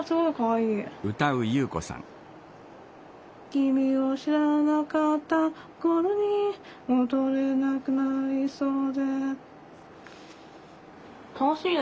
「君を知らなかった頃に戻れなくなりそうで」